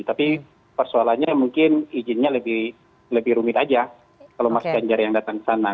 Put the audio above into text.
tapi persoalannya mungkin izinnya lebih rumit aja kalau mas ganjar yang datang ke sana